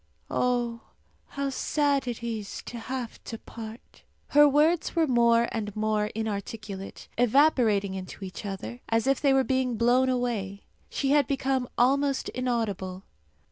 Oh, how sad it is to have to part!" Her words were more and more inarticulate, evaporating into each other, as if they were being blown away. She had become almost inaudible.